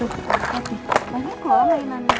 banyak kok mainannya